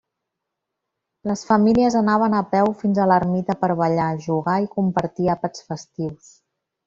Les famílies anaven a peu fins a l'ermita per ballar, jugar i compartir àpats festius.